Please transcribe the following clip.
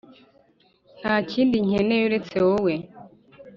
nta kindi nkeneye uretse wowe